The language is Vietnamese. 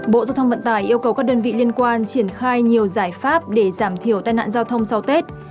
bộ giao thông vận tải yêu cầu các đơn vị liên quan triển khai nhiều giải pháp để giảm thiểu tai nạn giao thông sau tết